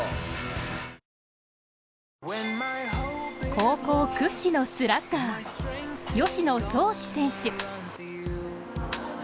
高校屈指のスラッガー吉野創士選手。